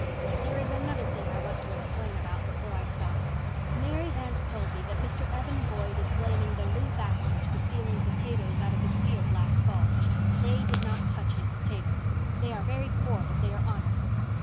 "There is another thing I want to explain about before I stop. Mary Vance told me that Mr. Evan Boyd is blaming the Lew Baxters for stealing potatoes out of his field last fall. They did not touch his potatoes. They are very poor, but they are honest.